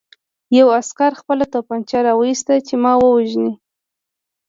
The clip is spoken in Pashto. یوه عسکر خپله توپانچه را وویسته چې ما ووژني